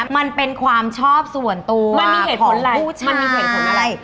มันเป็นความชอบส่วนตัวของผู้ชาย